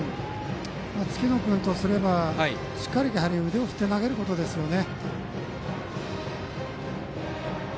月野君とすればしっかり腕を振って投げることですよね。